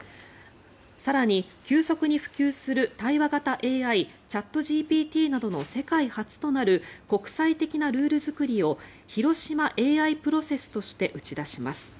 更に急速に普及する対話型ＡＩチャットＧＰＴなどの世界初となる国際的なルール作りを広島ＡＩプロセスとして打ち出します。